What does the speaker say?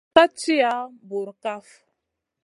Sumun ka tiya bura kaf.